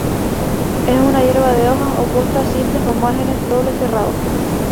Es una hierba de hojas opuestas simples con márgenes doble serrados.